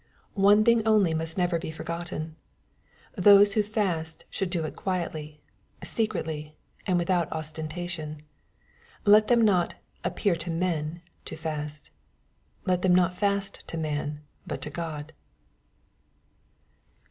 — One thing only most never be forgotten. Those who fast should do it quietlj, secretly^ and without ostentation. Let them not '' appear to men'' to fast. Let them not fast to man, but to Grod.